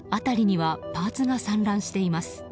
辺りにはパーツが散乱しています。